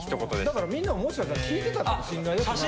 だからみんなももしかしたら聞いてたかもしれないね。